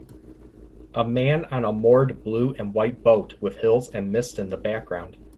A man on a moored blue and white boat with hills and mist in the background.